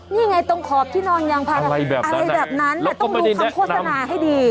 นี่ไงตรงขอบที่นอนยางพาอะไรแบบอะไรแบบนั้นแต่ต้องดูคำโฆษณาให้ดี